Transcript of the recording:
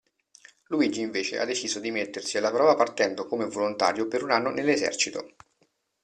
Luigi invece ha deciso di mettersi alla prova partendo come volontario per un anno nell'Esercito.